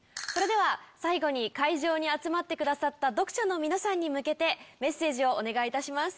最後に会場に集まってくださった読者の皆さんに向けてメッセージをお願いいたします。